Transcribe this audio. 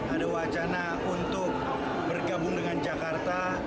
ada wacana untuk bergabung dengan jakarta